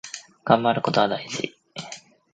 がんばることは大事。